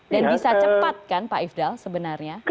dan bisa cepat kan pak ifdal sebenarnya